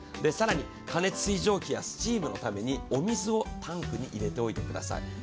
更に過熱水蒸気やスチームのためにお水をタンクに入れておいてください。